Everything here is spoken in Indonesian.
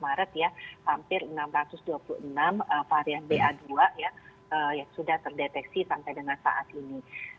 maret ya hampir enam ratus dua puluh enam varian ba dua ya sudah terdeteksi sampai dengan saat ini